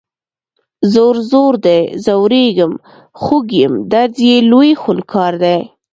ځور، ځور دی ځوریږم خوږ یم درد یې لوی خونکار دی